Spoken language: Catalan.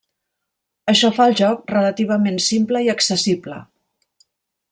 Això fa el joc relativament simple i accessible.